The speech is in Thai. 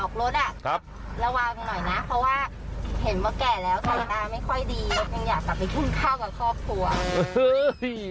สายตาไม่ค่อยดียังอยากกลับไปกินข้าวกับครอบครัว